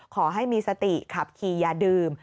ขอให้มีสติขับขี่อย่าดื่ม